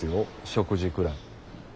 食事くらい。